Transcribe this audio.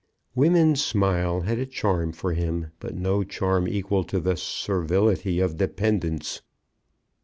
Woman's smile had a charm for him, but no charm equal to the servility of dependence.